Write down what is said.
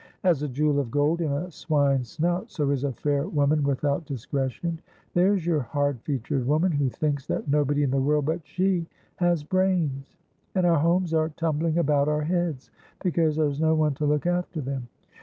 'As a jewel of gold in a swine's snout, so is a fair woman without discretion.' There's your hard featured woman who thinks that nobody in the world but she has brains. And our homes are tumbling about our heads, because there's no one to look after them.